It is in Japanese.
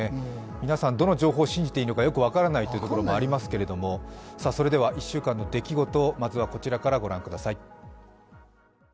皆さんどの情報を信じていいかな分からないところがありますけれどもそれでは１週間の出来事、まずはこちらから御覧ください。